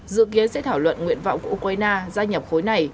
dự kiến sẽ thảo luận nguyện vọng của ukraine gia nhập khối này